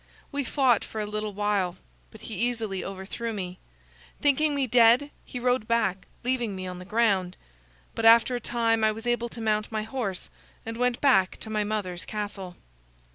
We fought for a little while, but he easily overthrew me. Thinking me dead, he rode back, leaving me on the ground. But after a time I was able to mount my horse, and went back to my mother's castle."